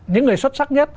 những người xuất sắc nhất